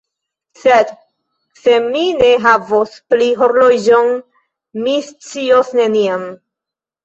Sed se mi ne havos pli horloĝon, mi scios neniam.